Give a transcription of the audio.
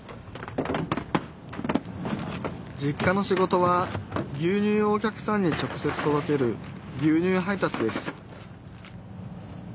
実家の仕事は牛乳をお客さんに直接とどける牛乳配達です